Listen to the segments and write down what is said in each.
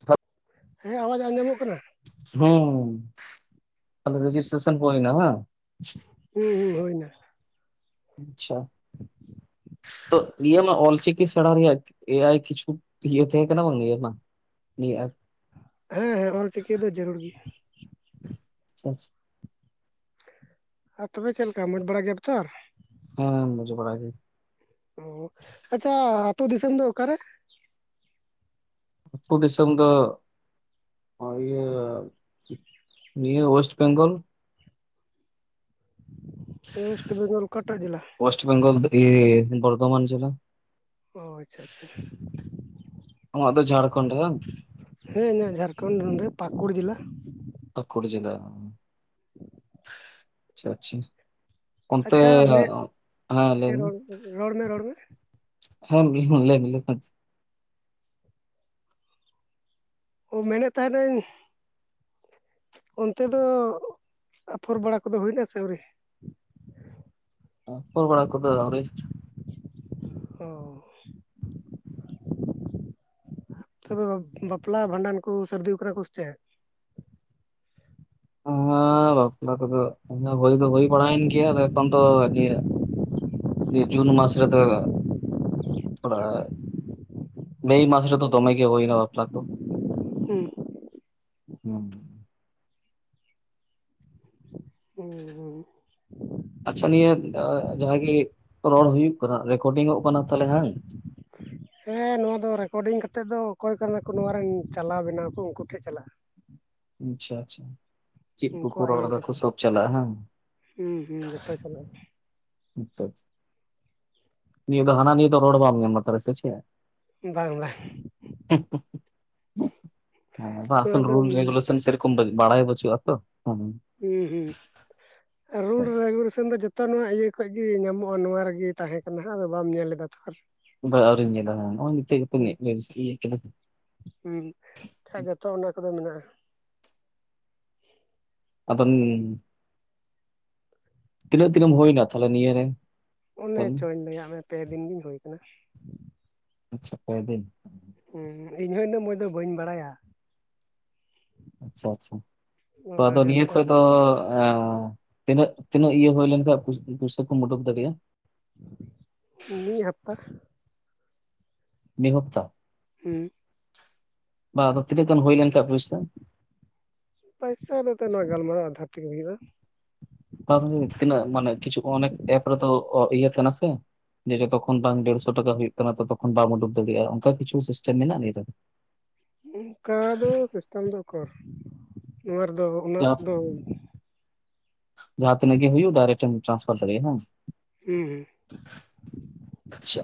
ᱦ [inaudible] ᱦᱮᱸ ᱟᱣᱟᱡ ᱟᱸᱡᱚᱢᱚᱜ ᱠᱟᱱᱟ ᱦᱩᱸ ᱟᱫᱚ ᱨᱮᱡᱤᱥᱴᱨᱮᱥᱚᱱ ᱠᱚ ᱦᱩᱭᱱᱟ ᱵᱟᱝ ᱦᱮᱸ ᱦᱮᱸ ᱦᱩᱭᱱᱟ ᱟᱪᱪᱷᱟ ᱛᱚ ᱤᱭᱟᱹ ᱢᱟ ᱚᱞ ᱪᱤᱠᱤ ᱥᱮᱬᱟ ᱨᱮᱭᱟᱜ ᱮ ᱟᱭ ᱠᱤᱪᱩ ᱤᱭᱟᱹ ᱛᱟᱦᱮᱸ ᱠᱟᱱᱟ ᱵᱟᱝ [inaudible] ᱢᱟ ᱱ ᱦᱮᱸ ᱦᱮᱸ ᱚᱞ ᱪᱤᱠᱤ ᱫᱚ ᱡᱟᱹᱨᱩᱲ ᱜᱮᱭᱟ ᱟᱪᱪᱷᱟ ᱟᱨ ᱛᱚᱵᱮ ᱪᱮᱫ ᱞᱮᱠᱟ ᱢᱚᱡᱽ ᱵᱟᱲᱟ ᱜᱮᱭᱟ ᱯᱮᱛᱚ ᱟᱨ ᱦᱮᱸ ᱢᱚᱡᱽ ᱵᱟᱲᱟ ᱜᱮ ᱚ ᱟᱪᱪᱷᱟ ᱟᱛᱳ ᱫᱤᱥᱚᱢ ᱫᱚ ᱚᱠᱟ ᱨᱮ ᱟ ᱟᱹᱛᱩ ᱫᱤᱥᱚᱢ ᱫᱚ ᱱᱚᱜ ᱤᱭᱟᱹ ᱱᱤᱭᱟᱹ ᱳᱭᱮᱥᱴ ᱵᱮᱝᱜᱚᱞ ᱳᱭᱮᱥᱴ ᱵᱮᱝᱜᱚᱞ ᱚᱠᱟ ᱴᱟᱜ ᱡᱮᱞᱟ ᱳᱭᱮᱥᱴ ᱵᱮᱝᱜᱚᱞ ᱵᱚᱨᱫᱷᱚᱢᱟᱱ ᱡᱮᱞᱟ ᱚ ᱟᱪᱪᱷᱟ ᱟᱪᱪᱷᱟ ᱟᱢᱟᱜ ᱫᱚ ᱡᱷᱟᱲᱠᱷᱚᱸᱰ ᱨᱮᱛ ᱦᱮᱸ ᱤᱧᱟᱹᱜ ᱡᱷᱟᱲᱠᱷᱚᱱᱸᱰ ᱱᱚᱰᱮ ᱯᱟᱹᱠᱩᱲ ᱡᱮᱞᱟ ᱯᱟᱠᱩᱲ ᱡᱮᱞᱟ ᱴ [inaudible] ᱟᱪᱪᱷᱟ ᱟᱪᱪᱷᱟ ᱚᱱᱛᱮ ᱟᱪᱪᱷᱟ ᱢᱮ ᱦᱮᱸ ᱞᱟᱹᱭ ᱢᱮ ᱨᱚᱲ ᱨᱚᱲ ᱢᱮ ᱨᱚᱲ [unintelligible] ᱢᱮ ᱦᱚᱜ ᱞᱟ. ᱤ ᱦᱚ ᱞᱟ. ᱜ ᱞᱚᱯᱚᱱ ᱚ ᱢᱮᱱᱮᱫ ᱛᱟᱦᱮᱸᱱ ᱤᱧ ᱚᱱᱛᱮ ᱫᱚ ᱟᱯᱷᱚᱨ ᱵᱟᱲᱟ ᱠᱚᱫᱚ ᱦᱩᱭ ᱱᱟ ᱥᱮ ᱟᱹᱣᱨᱤ ᱟᱯᱷᱚᱨ ᱵᱟᱲᱟ ᱠᱚᱫᱚ ᱟ. ᱣᱨᱤ ᱚᱻᱚ ᱛᱚᱵᱮ ᱵᱟᱯᱞᱟ ᱵᱷᱟᱸᱰᱟᱱ ᱠᱚ ᱥᱟᱹᱨᱫᱤ ᱠᱟᱱᱟ ᱠᱚ ᱥᱮ ᱪᱮᱫ ᱦᱚ ᱵᱟᱯᱞᱟ ᱠᱚᱫᱚ ᱦᱳᱭ ᱫᱚ ᱦᱳᱭ ᱯᱟᱲᱟᱭᱮᱱ ᱜᱮᱭᱟ ᱮᱠᱷᱚᱱ ᱛᱚ ᱟᱨ ᱠᱤ ᱡᱩᱱ ᱢᱟᱥ ᱨᱮᱫᱚ ᱛᱷᱚᱲᱟ ᱟᱻ ᱢᱮ ᱢᱟᱥ ᱨᱮᱫᱚ ᱫᱚᱢᱮ ᱜᱮ ᱦᱩᱭᱱᱟ ᱵᱟᱯᱞᱟ ᱠᱚ ᱦᱩᱸ [inaudible] ᱦᱩᱸ ᱦᱩᱸ ᱟᱪᱪᱷᱟ ᱱᱤᱭᱟᱹ ᱡᱟᱦᱟᱸ ᱜᱮ ᱨᱚᱲ ᱦᱩᱭᱩᱜ ᱠᱟᱱᱟ ᱨᱮᱠᱚᱰᱤᱝ ᱚᱜ ᱠᱟᱱᱟ ᱛᱟᱦᱚᱞᱮ ᱦᱟᱜ ᱦᱮᱸ ᱱᱚᱣᱟ ᱫᱚ ᱨᱮᱠᱚᱰᱤᱝ ᱠᱟᱛᱮ ᱫᱚ ᱚᱠᱚᱭ ᱠᱟᱱᱟ ᱠᱚ ᱱᱚᱣᱟ ᱨᱮᱱ ᱪᱟᱞᱟᱣ ᱵᱮᱱᱟᱣ ᱠᱚ ᱩᱱᱠᱩ ᱴᱷᱮᱱ ᱪᱟᱞᱟᱜᱼᱟ ᱟᱪᱪᱷᱟ ᱟᱪᱪᱷᱟ ᱪᱮᱫ ᱠᱚᱠᱚ ᱩᱱᱠᱩᱣᱟᱜ ᱨᱚᱲ ᱤᱭᱟᱹ ᱨᱮ ᱫᱟᱠᱚ ᱥᱚᱵ ᱪᱟᱞᱟᱜᱼᱟ ᱵᱟᱝ ᱦᱩᱸ [unintelligible] ᱟᱪᱪᱷᱟ ᱟᱪᱪᱷᱟ ᱱᱤᱭᱟᱹ ᱫᱚ ᱦᱟᱱᱟ ᱱᱤᱭᱟᱹ ᱫᱚ ᱨᱚᱲ ᱵᱟᱝ ᱧᱟᱢᱟ ᱛᱟᱦᱚᱞᱮ ᱥᱮᱪᱮᱫ ᱵᱟᱝ ᱵᱟᱝ ᱦᱩᱸ ᱱᱚᱣᱟ ᱟᱥᱚᱞ ᱫᱚ ᱨᱩᱞ ᱦᱩᱸ ᱨᱮᱜᱩᱞᱮᱥᱚᱱ ᱥᱤᱨᱤᱯ ᱠᱚᱢ ᱵᱮᱜ ᱵᱟᱲᱟᱭ ᱵᱟᱹᱪᱩᱜᱼᱟ ᱛᱚ ᱦᱩᱸ ᱦᱩᱸ ᱨᱩᱞ ᱨᱮᱜᱩᱨᱮᱥᱚᱱ ᱫᱚ ᱡᱚᱛᱚ ᱡᱚᱛᱚ ᱱᱚᱣᱟ ᱤᱭᱟᱹ ᱠᱷᱚᱡ ᱜᱮ ᱧᱟᱢᱚᱜᱼᱟ ᱱᱚᱣᱟ ᱨᱮᱜᱮ ᱛᱟᱦᱮᱸ ᱠᱟᱱᱟ ᱟᱫᱚ ᱵᱟᱢ ᱧᱮᱞ ᱞᱮᱫᱟ ᱛᱚ ᱵᱟ ᱟᱹᱣᱨᱤᱧ ᱧᱮᱞᱟ ᱱᱚᱜᱼᱚᱭ ᱱᱤᱛᱜ ᱜᱮ ᱛᱚ ᱢᱮᱫ ᱡᱟᱨᱥᱤ ᱠᱟᱱᱟ ᱦᱩᱸ ᱠᱷᱟᱡ ᱡᱚᱛᱚ ᱚᱸᱰᱮ ᱠᱚᱫᱚ ᱢᱮᱱᱟᱜᱼᱟ ᱟᱫᱚ ᱛᱤᱱᱟᱹᱜ ᱛᱤᱱᱟ. ᱜ ᱦᱩᱭᱱᱟᱢ ᱛᱟᱦᱞᱮ ᱱᱤᱭᱟᱹ ᱨᱮ ᱚᱱᱮ ᱠᱟᱹᱢᱤ? ᱪᱚᱧ ᱞᱟᱹᱭ ᱟᱜ ᱢᱮ ᱯᱮ ᱫᱤᱱ ᱜᱤᱧ ᱦᱩᱭ ᱠᱟᱱᱟ ᱟᱪᱪᱷᱟ ᱯᱮ ᱫᱤᱱ ᱦᱩᱸ ᱤᱧ ᱦᱚ ᱩᱱᱟ. ᱜ ᱢᱚᱡᱽ ᱫᱚ ᱵᱟᱹᱧ ᱵᱟᱲᱟᱭᱟ ᱟᱪᱪᱷᱟ ᱟᱪᱪᱷᱟ ᱛᱚ ᱚᱱᱟᱫᱚ ᱟᱫᱚ ᱱᱤᱭᱟᱹ ᱡᱟᱱᱠᱷᱟᱱ ᱠᱷᱚᱡ ᱫᱚ ᱦᱮ ᱛᱤᱱᱟᱹᱜ ᱛᱤᱱᱟᱹᱜ ᱤᱭᱟᱹ ᱦᱩᱭ ᱞᱮᱱ ᱠᱷᱟᱱ ᱯᱩᱭᱥᱟᱹ ᱠᱚᱢ ᱩᱰᱳᱠ ᱫᱟᱲᱮᱭᱟᱜᱼᱟ ᱢᱤᱫ ᱦᱟᱯᱛᱟ ᱢᱤᱫ ᱦᱚᱯᱛᱟ ᱦᱩᱸ ᱵᱟ ᱟᱫᱚ ᱛᱤᱱᱟᱹᱜ ᱜᱟᱱ ᱦᱩᱭ ᱞᱮᱱ ᱠᱷᱟᱱ ᱯᱩᱭᱥᱟᱹ ᱯᱚᱭᱥᱟ ᱫᱚ ᱛᱚ ᱱᱚᱣᱟ ᱜᱟᱞᱢᱟᱨᱟᱣ ᱟᱫᱷᱟᱨ ᱛᱮ ᱜᱮ ᱦᱩᱭᱩᱜ ᱟ ᱵᱟᱝ ᱜᱮ ᱛᱤᱱᱟᱹᱜ ᱢᱟᱱᱮ ᱠᱤᱪᱷᱩ ᱚᱱᱮ ᱮᱯ ᱨᱮᱫᱚ ᱤᱭᱟᱹ ᱛᱟᱦᱮ ᱱᱟᱥᱮ ᱡᱮ ᱡᱚᱛᱚ ᱠᱷᱚᱱ ᱵᱟᱝ ᱰᱮᱲᱥᱚ ᱴᱟᱠᱟ ᱦᱩᱭᱩᱜ ᱠᱟᱱᱟ ᱛᱚᱛᱚᱠᱷᱚᱱ ᱵᱟᱢ ᱩᱰᱩᱠ ᱫᱟᱲᱮᱭᱟᱜᱼᱟ ᱚᱱᱠᱟ ᱠᱤᱪᱷᱩ ᱥᱤᱥᱴᱮᱢ ᱢᱮᱱᱟᱜᱼᱟ ᱱᱤᱭᱟᱹ ᱨᱮ ᱚᱱᱠᱟ ᱫᱚ ᱥᱤᱥᱴᱮᱢ ᱫᱚ ᱩᱠᱩᱨ ᱱᱚᱣᱟ ᱨᱮ ᱫᱚ ᱩᱱᱟᱹᱜ ᱡᱟᱦᱟᱸ ᱫᱚ ᱡᱟᱦᱟᱸ ᱛᱤᱱᱟᱹᱜ ᱜᱮ ᱦᱩᱭᱩᱜ ᱰᱟᱭᱨᱮᱴ ᱮᱢ ᱴᱟᱱᱥ ᱯᱷᱟᱨ ᱫᱟᱲᱮᱭᱟᱜᱼᱟ ᱵᱟᱝ ᱦᱩᱸ ᱦᱩᱸ ᱟᱪᱪᱷᱟ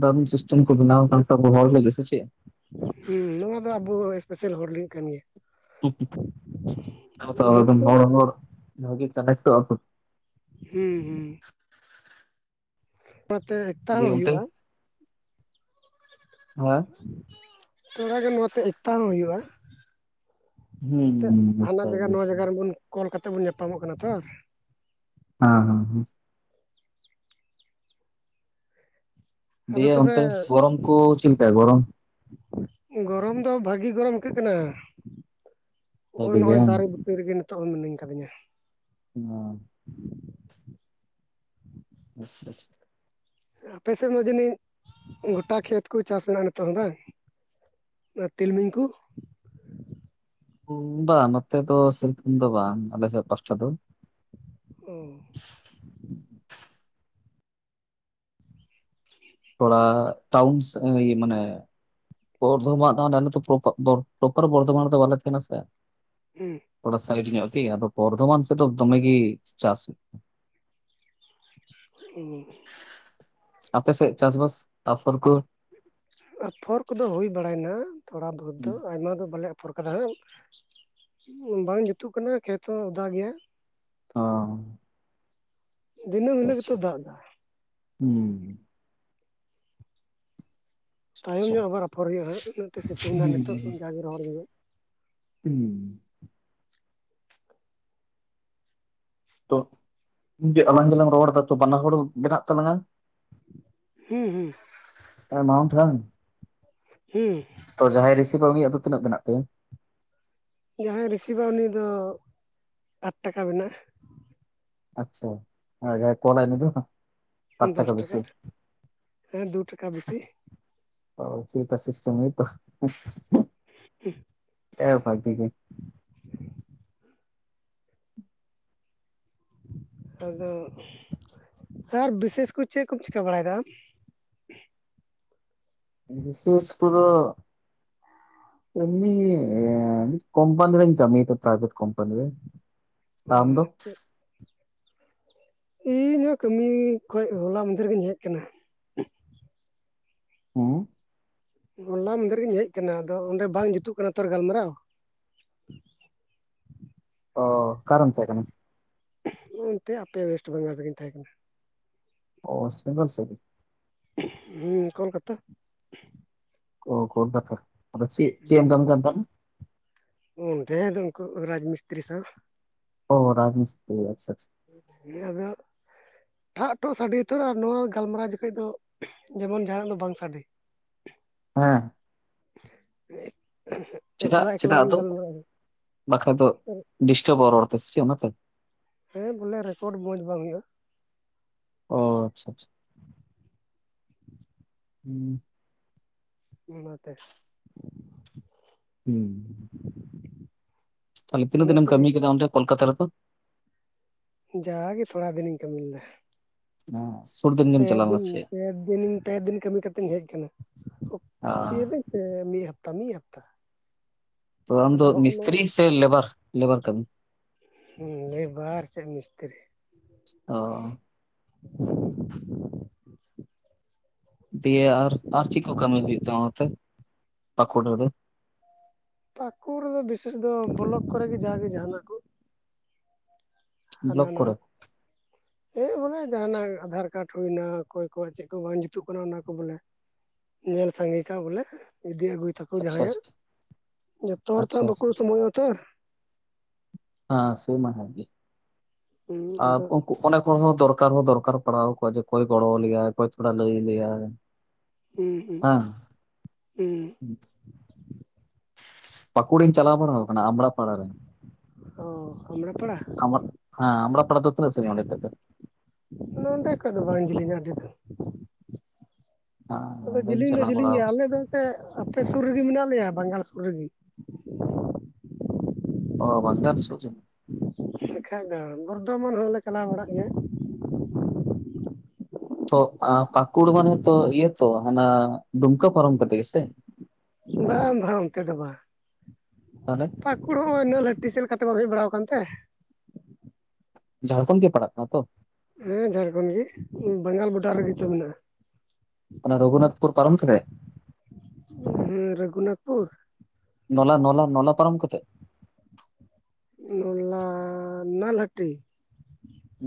ᱫᱟᱨᱩᱱ ᱥᱤᱥᱴᱮᱢ ᱠᱚ ᱵᱮᱱᱟᱣ ᱠᱟᱱ ᱛᱟᱵᱚ ᱦᱚᱲ ᱞᱟ. ᱜᱤ ᱥᱮᱪᱮᱫ ᱦᱮᱸ ᱱᱚᱶᱟ ᱫᱚ ᱟᱵᱚ ᱥᱯᱮᱥᱟᱞ ᱦᱚᱲ ᱞᱟᱹᱜᱤᱫ ᱠᱟᱱ ᱜᱮᱭᱟ [unintelligible] ᱚᱱᱟᱛᱮ ᱦᱚᱲ ᱠᱚ ᱵᱷᱟᱜᱮ ᱠᱟᱱᱮᱴ ᱳᱜ ᱟ ᱠᱚ ᱦᱩᱸ ᱦᱩᱸ [unintelligible] ᱮᱠᱛᱟ ᱫᱤᱭᱮ ᱦᱚᱸ ᱚᱱᱛᱮ ᱦᱩᱭᱩᱜᱼᱟ ᱦᱮᱸ [unintelligible] [unintelligible] ᱦᱩᱭᱩᱜᱼᱟ ᱮᱱᱛᱮᱫ ᱦᱩᱸ ᱦᱟᱱᱟ ᱡᱟᱭᱜᱟ ᱦᱮᱸ ᱱᱚᱣᱟ ᱡᱟᱭᱜᱟ ᱨᱮᱵᱚᱱ ᱠᱚᱞ ᱠᱟᱛᱮ ᱵᱚᱱ ᱧᱟᱯᱟᱢᱚᱜ ᱠᱟᱱᱟ ᱛᱚ ᱦᱮᱸ ᱦᱮᱸ ᱦᱮᱸ ᱟᱫᱚ ᱫᱤᱭᱮ ᱛᱚᱵᱮ ᱚᱱᱛᱮ ᱜᱚᱨᱚᱢ ᱠᱚ ᱪᱮᱫᱞᱮᱠᱟ ᱜᱚᱨᱚᱢ ᱜᱚᱨᱚᱢ ᱫᱚ ᱵᱷᱟᱹᱜᱤ ᱜᱚᱨᱚᱢ ᱟᱹᱭᱠᱟᱹᱜ ᱠᱟᱱᱟ ᱵᱷᱟᱜᱮ ᱜᱮ ᱱᱚᱜᱼᱚᱭ ᱵᱟᱝ? ᱫᱟᱨᱮ ᱨᱮᱜᱮ ᱱᱤᱛᱚᱜ ᱦᱚᱸ ᱢᱤᱱᱟᱹᱧ ᱠᱟᱫᱤᱧᱟ ᱦᱚᱸ ᱵᱮᱥ ᱵᱮᱥ ᱟᱯᱮ ᱥᱮᱫ ᱢᱟ ᱡᱟᱹᱱᱤᱡ ᱜᱚᱴᱟ ᱠᱷᱮᱛ ᱠᱚ ᱪᱟᱥ ᱢᱮᱱᱟᱜᱼᱟ ᱱᱤᱛᱚᱝ ᱦᱚᱸ ᱵᱟᱝ ᱚᱱᱟ ᱛᱤᱞᱢᱤᱧ ᱠᱚ ᱵᱟᱝ ᱱᱚᱛᱮ ᱫᱚ ᱥᱤᱨᱚᱠᱚᱢ ᱫᱚ ᱵᱟᱝ ᱟᱞᱮ ᱥᱮᱫ ᱯᱟᱥᱴᱟ ᱫᱚ ᱚ [inaudible] [inaudible] ᱛᱷᱚᱲᱟ ᱴᱟᱣᱩᱱᱥ ᱢᱟᱱᱮ ᱵᱫᱷᱚᱢᱟᱱ ᱯᱨ ᱯᱨᱚᱯᱚᱨ ᱵᱚᱨᱫᱷᱚᱢᱟᱱ ᱫᱚ ᱵᱟᱞᱮ ᱛᱟᱦᱮᱱᱟ ᱥᱮ [inaudible] ᱦᱮᱸ ᱥᱟᱭᱤᱰ ᱟᱫᱚ ᱵᱚᱨᱫᱷᱚᱢᱟᱱ ᱥᱮᱴᱚ ᱫᱚᱢᱮ ᱜᱮ ᱪᱟᱥ ᱦᱸ [inaudible] ᱟᱯᱮ ᱥᱮᱫ ᱪᱟᱥᱵᱟᱥ ᱛᱟᱨᱯᱚᱨ ᱠᱚ ᱟᱯᱷᱚᱨ ᱠᱚᱫᱚ ᱦᱩᱭ ᱵᱟᱲᱟᱭᱱᱟ ᱛᱷᱚᱲᱟ ᱵᱚᱦᱩᱛ ᱚ ᱫᱚ ᱟᱭᱢᱟ ᱫᱚ ᱵᱟᱞᱮᱯᱷ ᱩ ᱯᱨᱚᱨᱠᱟᱛᱟ ᱦᱟᱸᱜ ᱵᱟᱝ ᱡᱩᱛᱩᱜ ᱠᱟᱱᱟ ᱠᱷᱮᱛ ᱦᱚᱸ ᱚᱫᱟ ᱜᱮᱭᱟ ᱚ ᱫᱤᱱᱟᱹᱢ ᱦᱤᱞᱳᱜ ᱜᱮᱛᱚ ᱫᱟᱜ ᱫᱟᱭ ᱦᱩᱸ ᱛᱟᱭᱚᱢ ᱟᱪᱪᱷᱟ ᱧᱚᱜ ᱟᱵᱟᱨ ᱟᱯᱷᱚᱨ ᱦᱩᱭᱩᱜᱼᱟᱜ ᱚᱱᱟᱛᱮ ᱥᱤᱛᱩᱝ ᱫᱚ ᱱᱤᱛᱚᱜ ᱦᱩᱸ ᱡᱟᱜᱮ ᱨᱚᱦᱚᱲ ᱧᱚᱜ ᱦᱩᱸ ᱦᱩᱸ ᱛᱚ ᱤᱧ ᱡᱟᱞᱟᱝ ᱡᱮᱞᱟᱝ ᱨᱚᱲᱫᱟ ᱛᱚ ᱵᱟᱱᱟ ᱦᱚᱲ ᱢᱮᱱᱟᱜ ᱛᱟᱞᱟᱝᱟ ᱦᱩᱸ ᱦᱩᱸ ᱟᱨ ᱢᱟᱣᱩᱱᱴ ᱦᱩᱸ ᱛᱚ ᱡᱟᱦᱟᱸᱭ ᱨᱤᱥᱤᱵᱷ ᱟ ᱫᱚ ᱩᱱᱤ ᱭᱟᱜ ᱫᱚ ᱛᱤᱱᱟᱹᱜ ᱢᱮᱱᱟᱜ ᱛᱟᱭᱤᱢ ᱡᱟᱦᱟᱸᱭ ᱨᱤᱥᱤᱵᱟ ᱩᱱ ᱫᱚ ᱟᱴ ᱴᱟᱠᱟ ᱢᱮᱱᱟᱜᱼᱟ ᱟᱪᱪᱷᱟ ᱠᱚᱞᱟᱭ ᱩᱱᱤ ᱫᱚ ᱵᱟᱨ ᱫᱚᱥ ᱴᱟᱠᱟ ᱵᱮᱥᱤ ᱦᱮᱸ ᱫᱩ ᱴᱟᱠᱟ ᱵᱮᱥᱤ ᱚ ᱪᱮᱜ ᱠᱟ ᱥᱤᱥᱴᱮᱢ ᱛᱚ ᱮ ᱵᱷᱟᱜᱤᱠ ᱟᱫᱚ ᱟᱨ ᱵᱤᱥᱮᱥ ᱠᱚ ᱪᱮᱫ ᱠᱚᱢ ᱪᱤᱠᱟᱹ ᱵᱟᱲᱟᱭᱮᱫᱟ ᱵᱤᱥᱮᱥ ᱯᱳᱨᱳ ᱮᱢᱢᱤ ᱠᱳᱢᱯᱟᱱᱤ ᱨᱮᱧ ᱠᱟᱢᱤᱭᱟ ᱡᱚᱢᱟᱹᱭᱤᱛ ᱯᱨᱟᱭᱵᱷᱮᱴ ᱠᱳᱢᱯᱟᱱᱤ ᱨᱮ ᱚ ᱟᱨ ᱟᱢ ᱫᱚ ᱤᱧᱦᱚ ᱠᱟᱹᱢᱤ ᱠᱷᱚᱡ ᱦᱚᱞᱟ ᱢᱟᱫᱮᱨ ᱜᱤᱧ ᱦᱮᱡ ᱟᱠᱟᱱᱟ ᱦᱮᱸ ᱦᱚᱞᱟ ᱢᱟᱫᱷᱮᱨ ᱨᱤᱧ ᱦᱮᱡ ᱟᱠᱟᱱᱟ ᱟᱫᱚ ᱚᱱᱰᱮ ᱵᱟᱝ ᱡᱩᱛᱩᱜ ᱠᱟᱱᱟ ᱛᱚ ᱜᱟᱞᱢᱟᱨᱟᱣ ᱚ ᱚᱠᱟᱨᱮᱢ ᱛᱟᱦᱮᱠᱟᱱᱟ ᱚᱱᱛᱮ ᱟᱯᱮ ᱚᱭᱮᱥᱴ ᱵᱟᱝᱜᱟᱞ ᱨᱮᱜᱮᱧ ᱛᱟᱦᱮ ᱠᱟᱱᱟ ᱚ ᱥᱤᱝᱜᱚᱞ ᱥᱮ ᱦᱮᱸ ᱠᱳᱞᱠᱟᱛᱟ ᱚ ᱠᱳᱞᱠᱟᱛᱟ ᱨᱮ ᱟᱫᱚ ᱪᱜ ᱪᱮ ᱮᱢ ᱠᱟᱹᱢᱤ ᱠᱟᱱ ᱛᱮᱦᱮᱱ ᱦᱩᱸ ᱛᱮᱦᱮ ᱫᱚ ᱩᱱᱠᱩ ᱨᱟᱡᱽ ᱢᱤᱥᱛᱨᱤ ᱥᱟᱶ ᱚ ᱨᱟᱡᱽ ᱢᱤᱥᱛᱤᱨᱨᱤ ᱟᱪᱪᱷᱟ ᱟᱪᱪᱷᱟ ᱱᱮ [unintelligible] ᱴᱷᱟᱜ ᱴᱷᱚᱜ ᱥᱟᱰᱮ ᱩᱛᱟᱹᱨ ᱟᱨ ᱱᱚᱣᱟ ᱜᱟᱞᱢᱟᱨᱟᱣ ᱡᱩᱠᱷᱟᱹᱡ ᱫᱚ ᱡᱮᱢᱚᱱ ᱡᱟᱦᱟᱱᱟᱜ ᱫᱚ ᱵᱟᱝ ᱥᱟᱰᱮ ᱦᱮᱸ ᱮᱠᱞᱟ ᱮᱠᱞᱟ ᱨᱮᱜᱮ ᱜᱟᱞᱢᱟᱨᱟᱣ ᱵᱟᱠᱷᱨᱟ ᱫᱚᱚ ᱰᱤᱥᱴᱵ-ᱟ ᱨᱚᱬᱛᱮ ᱥᱮᱪᱮᱫ ᱚᱱᱟᱛ ᱦᱮᱸ ᱵᱚᱞᱮ ᱨᱮᱠᱚᱨᱰ ᱢᱚᱸᱡᱽ ᱵᱟᱝ ᱦᱩᱭᱩᱜᱼᱟ ᱚ ᱟᱪᱪᱷᱟ ᱟᱪᱪᱷᱟ ᱦᱩᱸ ᱚᱱᱟᱛᱮ ᱦᱩᱸ ᱛᱟᱦᱮᱞᱮ ᱛᱤᱱᱟᱹᱜ ᱫᱤᱱᱮᱢ ᱚᱱᱟᱛᱮ ᱠᱟᱹᱢᱤ ᱜᱮᱫᱟᱚᱰᱮ ᱠᱳᱞᱠᱟᱛᱟ ᱨᱮᱫᱚ ᱡᱟᱜᱮ ᱛᱷᱚᱲᱟ ᱫᱤᱱᱤᱧ ᱠᱟᱹᱢᱤ ᱞᱮᱫᱟ [inaudible] ᱯᱮᱫᱤᱱ ᱥᱮ? ᱯ ᱫᱤᱱ ᱯᱮᱫᱤᱱ ᱠᱟᱹᱢᱤ ᱠᱟᱛᱮᱧ ᱦᱮᱡ ᱟᱠᱟᱱᱟ ᱯ ᱫᱤᱱ ᱥᱮ ᱢᱤᱸ ᱦᱟᱯᱛᱟ ᱢᱤᱸ ᱦᱟᱯᱛᱟ ᱛᱵᱮ ᱟᱢ ᱫᱚ ᱟᱫᱚ ᱦᱚᱜᱼᱚ ᱢᱤᱥᱛᱨᱤ ᱱᱚᱣᱟ ᱥᱮ ᱞᱮᱵᱟᱨ ᱞᱮᱵᱟᱨ ᱠᱟᱹᱢᱤ ᱦᱮᱸ ᱞᱮᱵᱟᱨ ᱥᱮ ᱢᱤᱥᱛᱨᱤ ᱚᱻ᱾ ᱫᱤᱭᱮ ᱟᱨ ᱟᱨ ᱪᱮᱜ ᱠᱚ ᱠᱟᱹᱢᱤ ᱦᱩᱭᱩᱜ ᱛᱟᱢᱟ ᱱᱚᱛᱮ ᱯᱟᱹᱠᱩᱲ ᱨᱮ? ᱯᱟᱹᱠᱩᱬ ᱨᱮ ᱵᱤᱥᱮᱥ ᱫᱚ ᱵᱞᱚᱠ ᱠᱚᱨᱮ ᱜᱮ ᱡᱟᱦᱟ ᱜᱮ ᱡᱟᱦᱟᱱᱟᱜ ᱠᱚ ᱦᱟᱱᱟ ᱵᱞᱚᱠ ᱠᱚᱨᱮ? ᱱᱚᱣᱟ᱾ ᱦᱮᱸ ᱵᱚᱞᱮ ᱡᱟᱦᱟᱸᱱᱟᱜ ᱟᱫᱷᱟᱨ ᱠᱟᱨᱰ ᱦᱩᱭᱱᱟ ᱚᱠᱚᱭ ᱠᱚᱣᱟᱜ ᱪᱮᱫ ᱠᱚ ᱵᱟᱝ ᱡᱩᱛᱩᱜ ᱠᱟᱱᱟ ᱚᱱᱟ ᱠᱚ ᱵᱚᱞᱮ᱾ ᱧᱮᱞ ᱥᱟᱸᱜᱮ ᱠᱟᱜ ᱵᱚᱞᱮ ᱤᱫᱤ ᱟᱹᱜᱩᱭ ᱛᱟ ᱟᱪᱪᱷᱟ ᱡᱟᱦᱟᱸᱭᱟᱜ ᱟᱪᱪᱷᱟ ᱡᱚᱛᱚ ᱦᱚᱲ ᱛᱚ ᱟᱪᱪᱷᱟ ᱵᱟᱠᱩ ᱟᱪᱪᱷᱟ ᱥᱚᱢᱚᱭᱜᱼᱟ ᱛᱚ᱾ ᱦᱟᱸ ᱥᱮᱢᱟ ᱦᱮ ᱜᱮ᱾ ᱦᱩᱸ ᱟᱯ ᱟᱫᱚ ᱚᱱᱮᱠᱚ ᱦᱚᱸ ᱫᱚᱨᱠᱟᱨ ᱦᱚᱸ ᱫᱚᱨᱠᱟᱨ ᱯᱟᱲᱟᱣ ᱠᱚᱣᱟ ᱡᱮ ᱚᱠᱚᱭ ᱜᱚᱲᱚᱣᱟ ᱞᱮᱟᱭ ᱚᱠᱚᱭ ᱛᱷᱚᱲᱟ ᱞᱟᱹᱭ ᱟᱞᱮᱭᱟ᱾ ᱦᱩᱸᱻ ᱦᱩᱸᱻ ᱦᱩᱸᱻ᱾ ᱯᱟᱠᱩᱲᱤᱧ ᱪᱟᱞᱟᱳ ᱵᱟᱲᱟᱣ ᱠᱟᱱᱟ ᱟᱢᱲᱟ ᱯᱲᱟ ᱨᱮ᱾ ᱚ ᱟᱢᱲᱟ ᱯᱟᱲᱟ ᱾ ᱟᱢᱟᱜ ᱦᱮᱸ ᱟᱢᱲᱟ ᱯᱟᱲᱟ ᱫᱚ ᱛᱤᱱᱟᱹᱜ ᱥᱟᱹᱜᱤᱧ ᱚᱰᱮ ᱠᱷᱚᱡ ᱫᱚ? ᱱᱚᱸᱰᱮ ᱠᱷᱚᱡ ᱫᱚ ᱵᱟᱝ ᱡᱮᱞᱤᱧᱟ ᱟᱹᱰᱤ ᱫᱚ᱾ ᱟᱫᱚ ᱦᱮᱸ ᱵᱟᱹᱧ ᱡᱮᱞᱤᱧ ᱫᱚ ᱪᱟᱞᱟᱣ ᱵᱟᱲᱟ ᱡᱮᱞᱤᱧ ᱜᱮᱭᱟ ᱟᱞᱮ ᱫᱚ ᱮᱱᱛᱮ, ᱟᱯᱮ ᱥᱩᱨ ᱨᱮᱜᱮ ᱢᱮᱱᱟᱜ ᱞᱮᱭᱟ ᱵᱟᱝᱜᱟᱞ ᱥᱩᱨ ᱨᱮᱜᱮ᱾ ᱚ ᱵᱟᱝᱜᱟᱞ ᱥᱩᱨ ᱨᱮ᱾ ᱮᱱᱠᱷᱟᱱ ᱫᱚ ᱵᱚᱨᱫᱷᱚᱢᱟᱱ ᱦᱚᱸᱞᱮ ᱪᱟᱞᱟᱣ ᱵᱟᱲᱟᱜ ᱜᱮᱭᱟ᱾ ᱛ ᱯᱟᱠᱩᱲ ᱢᱟᱱᱮ ᱛᱚ ᱤᱭᱟᱹ ᱛᱚ ᱦᱟᱱᱟ ᱫᱩᱢᱠᱟᱹ ᱯᱚᱨᱚᱢ ᱠᱟᱛᱮ ᱜᱮ ᱥᱮ? ᱵᱟᱝ ᱵᱟᱝ ᱚᱱᱛᱮ ᱫᱚ ᱵᱟᱝ᱾ ᱛᱟᱦᱚᱞᱮ ᱯᱟᱹᱠᱩᱲ ᱦᱚᱸᱜᱚᱭ ᱱᱟᱹᱞᱦᱟᱹᱴᱤ ᱥᱮᱫ ᱞᱮᱠᱟᱛᱮ ᱵᱟᱢ ᱦᱮᱡ ᱵᱟᱲᱟᱳ ᱟᱠᱟᱱᱛᱮ ᱾ ᱡᱷᱟᱲᱠᱷᱚᱱ ᱜᱮ ᱯᱟᱲᱟᱜ ᱠᱟᱱᱟ ᱛᱚ? ᱦᱮᱸ ᱡᱷᱟᱲᱠᱷᱚᱸᱰ ᱜᱮ ᱵᱟᱝᱜᱟᱞ ᱵᱳᱰᱟᱨ ᱨᱮᱜᱮ ᱛᱚ ᱢᱮᱱᱟᱜᱼᱟ᱾ ᱚᱱᱟ ᱨᱚᱜᱷᱩᱱᱟᱛ ᱯᱩᱨ ᱯᱟᱨᱚᱢ ᱠᱟᱛᱮ? ᱦᱮᱸ ᱨᱚᱜᱷᱩᱱᱟᱛ ᱯᱩᱨ ᱱᱚᱞᱟ ᱱᱚᱞᱟ ᱱᱚᱞᱟ ᱯᱟᱨᱚᱢ ᱠᱟᱛᱮᱜ? ᱱᱚᱞᱟ ᱱᱟᱞᱦᱟᱹᱴᱤ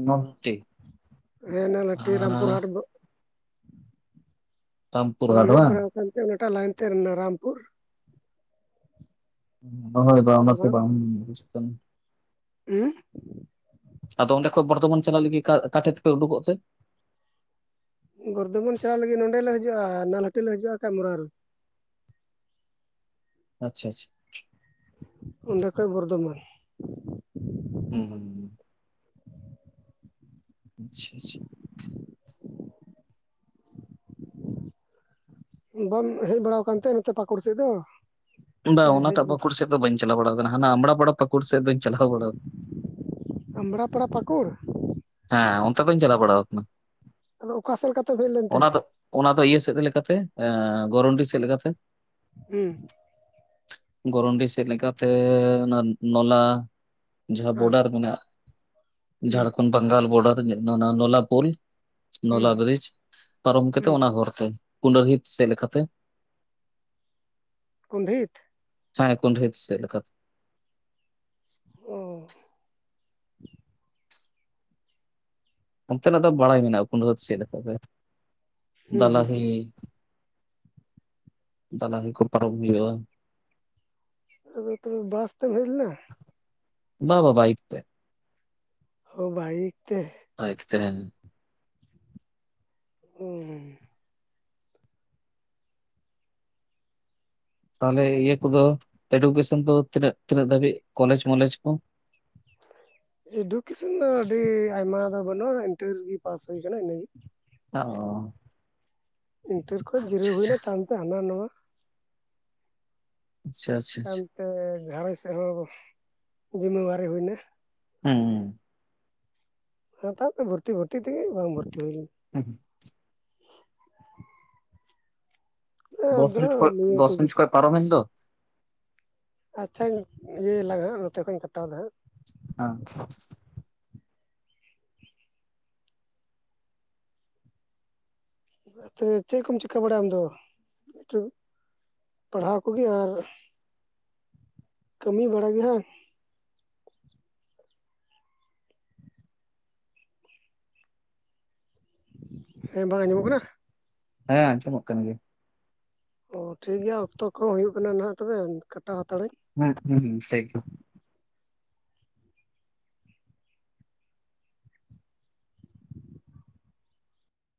ᱱᱚᱞᱦᱟᱹᱴᱤ ᱦᱮ ᱱᱚᱞᱦᱟᱹᱴᱤ ᱨᱟᱢᱯᱩᱨ ᱦᱟᱴ ᱫᱚ ᱨᱟᱢᱯᱩᱨ ᱵᱟᱢ ᱦᱟᱴ ᱦᱮᱡ ᱵᱟᱝ ᱵᱟᱲᱟᱣ ᱠᱟᱱᱛᱮ ᱚᱱᱟᱴᱟᱜ ᱞᱟᱭᱮᱱ ᱛᱮ ᱱᱟ ᱨᱟᱢᱯᱩᱨ? ᱦᱚᱭ ᱵᱟᱝ ᱟᱱᱟᱛᱮ ᱵᱟᱝ ᱵᱩᱡᱩ ᱠᱟᱱᱟ᱾ ᱦᱮᱸ [unintelligible] ᱟᱫᱚ ᱚᱸᱰᱮ ᱠᱷᱚᱜ ᱵᱚᱨᱫᱷᱚᱢᱟᱱ ᱪᱟᱞᱟᱜ ᱞᱟᱹᱜᱤᱜ ᱚᱠᱟᱴᱷᱮ ᱛᱮᱯᱮ ᱩᱰᱩᱠᱚᱜ ᱛᱮ? ᱵᱚᱨᱫᱷᱚᱢᱟᱱ ᱪᱟᱞᱟᱣ ᱞᱟᱹᱜᱤᱫ ᱱᱚᱸᱰᱮᱞ ᱞᱮ ᱦᱤᱡᱩᱜᱼᱟ ᱱᱚᱞᱦᱟᱹᱴᱤ ᱞᱮ ᱦᱤᱡᱩᱜᱼᱟ ᱠᱟᱢᱨᱟ ᱨᱮ᱾ ᱟᱪᱪᱷᱟᱻ ᱟᱪᱪᱷᱟᱻ᱾ ᱚᱸᱰᱮ ᱠᱷᱚᱜ ᱵᱚᱨᱫᱷᱚᱢᱟᱱ᱾ ᱦᱩᱸᱻ ᱦᱩᱸᱻ᱾ ᱟᱪᱪᱷᱟ ᱟᱪᱪᱷᱟ [unintelligible] ᱵᱟᱢ ᱦᱮᱡ ᱵᱟᱲᱟ ᱠᱟᱱᱛᱮ ᱱᱚᱛᱮ ᱯᱟᱠᱩᱲ ᱥᱮᱜ ᱫᱚ? ᱵᱟᱝ ᱥᱮ ᱦᱮᱡ ᱚᱱᱟᱴᱟᱜ ᱯᱟᱹᱠᱩᱲ ᱥᱮᱫ ᱫᱚ ᱵᱟᱹᱧ ᱪᱟᱞᱟᱣ ᱵᱟᱲᱟ ᱠᱟᱱᱟ, ᱦᱟᱱᱟ ᱟᱢᱲᱟ ᱯᱟᱲᱟ ᱯᱟᱹᱠᱩᱲ ᱥᱮᱫ ᱫᱚᱧ ᱪᱟᱞᱟᱣ ᱵᱟᱲᱟᱣ ᱠᱟᱱᱟ᱾ ᱟᱢᱲᱟᱯᱟᱲᱟ ᱯᱟᱹᱠᱩᱲ? ᱦᱮᱸ ᱚᱱᱛᱮ ᱫᱩᱧ ᱪᱟᱞᱟᱣ ᱵᱟᱲᱟ ᱠᱟᱱᱟ᱾ ᱟᱫᱚ ᱚᱠᱟ ᱥᱮᱫ ᱞᱮᱠᱟᱛᱮᱢ ᱦᱮᱡ ᱞᱮᱱᱛᱮ? ᱚᱱᱟ ᱫᱚ ᱤᱭᱟᱹ ᱥᱮᱫ ᱞᱮᱠᱟᱛᱮ ᱜᱚᱨᱚᱱᱰᱤ ᱥᱮᱫ ᱞᱮᱠᱟᱛᱮ᱾ ᱦᱮᱸ ᱜᱚᱨᱚᱱᱰᱤ ᱥᱮᱫ ᱞᱮᱠᱟᱛᱮ ᱚᱱᱟ ᱱᱚᱞᱟ ᱡᱟᱦᱟᱸ ᱦᱮᱸ ᱵᱳᱰᱟᱨ ᱢᱮᱱᱟᱜᱼᱟ᱾ ᱦᱩᱸ ᱡᱷᱟᱲᱠᱷᱚᱱᱰ ᱵᱟᱝᱜᱟᱞ ᱵᱳᱰᱟᱨ ᱨᱮ ᱱᱚᱞᱟᱯᱩᱞ᱾ ᱱᱚᱞᱟ ᱦᱩᱸ ᱵᱨᱤᱡᱽ ᱯᱟᱨᱚᱢ ᱠᱟᱛᱮ ᱦᱩᱸ ᱚᱱᱟ ᱦᱚᱨᱛᱮ ᱠᱩᱸᱰᱟᱹᱦᱤᱛ ᱥᱮᱫ ᱞᱮᱠᱟᱛᱮ᱾ ᱠᱩᱸᱰᱦᱤᱛ? ᱦᱮᱸ ᱠᱩᱸᱰᱦᱤᱛ ᱥᱮᱫ‌ ᱞᱮᱠᱟᱛᱮ ᱾ ᱚᱻ᱾ ᱚᱱᱛᱮᱱᱟᱜ ᱫᱚ ᱵᱟᱲᱟᱭ ᱢᱮᱱᱟᱜᱼᱟ ᱠᱩᱸᱰᱟᱹᱦᱤᱛ ᱫᱚ ᱪᱮᱫ ᱞᱮᱠᱟ ᱯᱮ ᱦᱩᱸ ᱦᱩᱸ ᱫᱟᱞᱟᱦᱤ ᱫᱟᱞᱟᱤ ᱠᱚ ᱯᱚᱨᱚᱢ ᱟᱹᱩᱭᱩᱜᱭᱟ ᱟᱫᱚ ᱛᱚᱵᱮ ᱵᱟᱥ ᱛᱮᱢ ᱦᱮᱡ ᱞᱮᱱᱟ? ᱵᱟ ᱵᱟᱵᱟ ᱵᱟᱭᱤᱠ ᱛᱮ᱾ ᱳ ᱵᱟᱭᱤᱠ ᱛᱮ? ᱵᱟᱭᱤᱠ ᱛᱮ ᱦᱮᱸ ᱚᱻ ᱛᱟᱦᱚᱞᱮ ᱤᱭᱟᱹ ᱠᱚᱫᱚ ᱮᱰᱩᱠᱮᱥᱚᱱ ᱫᱚ ᱛᱤᱱᱟᱹᱜ ᱛᱤᱱᱟᱹᱜ ᱫᱷᱟᱹᱵᱤᱡ ᱠᱚᱞᱮᱡᱽ ᱢᱟᱞᱮᱡᱽ ᱠᱚ? ᱮᱰᱩᱠᱮᱥᱚᱱ ᱫᱚ ᱟᱹᱰᱤ ᱟᱭᱢᱟ ᱫᱚ ᱵᱟᱹᱱᱩᱜᱼᱟ, ᱤᱱᱴᱟᱨ ᱨᱮᱜᱮ ᱯᱟᱥ ᱦᱩᱭᱩ ᱟᱠᱟᱱᱟ ᱤᱱᱟᱹᱜᱮ, ᱚᱻ ᱤᱱᱴᱟᱨ ᱠᱷᱚᱱᱚᱡ ᱡᱤᱨᱟᱹᱣ ᱟᱪᱪᱷᱟ ᱦᱩᱭᱱᱟ ᱛᱟᱭᱚᱢᱛᱮ ᱦᱟᱱᱟ ᱱᱟᱣᱟ ᱟᱪ ᱟᱪᱪᱷᱟ ᱟᱪᱪᱷᱟ ᱛᱮ ᱜᱷᱟᱨᱚᱸᱡᱽ ᱥᱮᱫ ᱦᱚᱸ ᱡᱤᱢᱟᱹᱫᱟᱨᱤ ᱦᱩᱭᱱᱟ᱾ ᱦᱩᱸᱻ ᱦᱚᱴᱟᱛ ᱵᱷᱚᱨᱛᱤ ᱵᱷᱚᱨᱛᱤ ᱛᱮᱜᱮ ᱵᱟᱝ ᱵᱷᱚᱨᱛᱤ ᱦᱩᱭ ᱞᱮᱱᱟ᱾ ᱦᱩᱸᱻ ᱞᱮᱱᱟ ᱫᱚᱥ ᱟᱫᱚ ᱢᱤᱱᱤᱴ ᱠᱚ ᱱᱤᱭᱟᱹ ᱫᱚᱥ ᱠᱚᱜᱮ ᱢᱤᱱᱤᱴ ᱠᱚ ᱯᱟᱨᱚᱢᱮᱱ ᱫᱚ? ᱟᱪᱪᱷᱟᱧ ᱤᱭᱟᱹᱭ ᱞᱟᱜᱟᱜ ᱱᱚᱛᱮ ᱠᱷᱚᱡ ᱤᱧ ᱠᱟᱴᱟᱣᱫᱟ ᱦᱟᱸᱜ᱾ ᱟᱸ ᱛᱚᱵᱮ ᱪᱮᱫ ᱠᱚᱢ ᱪᱤᱠᱟᱹ ᱵᱟᱲᱟᱭᱟ ᱟᱢ ᱫᱚ [unintelligible] ᱯᱟᱲᱦᱟᱣ ᱠᱚᱜᱮ ᱟᱨ ᱠᱟᱹᱢᱤ ᱵᱟᱲᱟ ᱜᱮ ᱦᱟᱝ? ᱦᱮᱸ ᱵᱟᱝ ᱟᱸᱡᱚᱢᱚᱜ ᱠᱟᱱᱟ᱾ ᱦᱮᱸ ᱟᱸᱡᱚᱢᱚᱜ ᱠᱟᱱ ᱜᱮᱭᱟ᱾ ᱚ ᱴᱷᱤᱠ ᱜᱮᱭᱟ ᱚᱠᱛᱚ ᱠᱚᱦᱚᱸ ᱦᱩᱭᱩᱜ ᱠᱟᱱᱟ ᱱᱟᱦᱟᱜ ᱛᱚᱵᱮ ᱠᱟᱴᱟ ᱦᱟᱛᱟᱲᱟᱹᱧ᱾ ᱦᱩᱸ ᱦᱩᱸ ᱴᱷᱤᱠ ᱜᱮᱭᱟ᱾